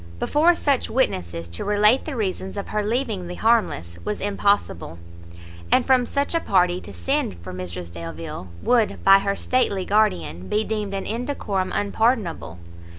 Before such witnesses to relate the reasons of her leaving the Harmless was impossible; and from such a party to send for Mrs Delvile, would, by her stately guardian, be deemed an indecorum unpardonable.